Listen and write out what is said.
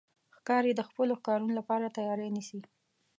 ښکاري د خپلو ښکارونو لپاره تیاری نیسي.